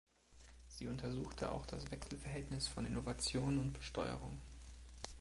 Sie untersuchte auch das Wechselverhältnis von Innovation und Besteuerung.